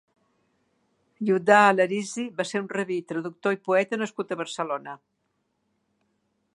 Judà Alharizi va ser un rabbí, traductor i poeta nascut a Barcelona.